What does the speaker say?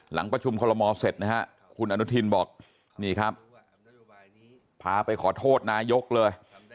หลังประชุมคอลโมเสร็จนะฮะคุณอนุทินบอกนี่ครับพาไปขอโทษนายกเลย